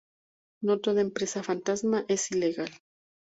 No toda empresa fantasma es ilegal.